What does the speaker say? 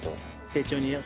丁重によ。